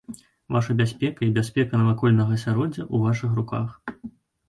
Ваша бяспека і бяспека навакольнага асяроддзя ў вашых руках.